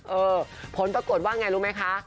ผลปรากฏว่าไงรู้ไหมคะ